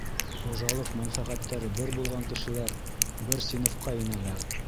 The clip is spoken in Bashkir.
Хужалыҡ мәнфәғәттәре бер булған кешеләр бер синыфҡа инәләр.